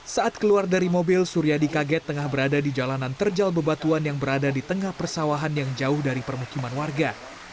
saat keluar dari mobil suryadi kaget tengah berada di jalanan terjal bebatuan yang berada di tengah persawahan yang jauh dari permukiman warga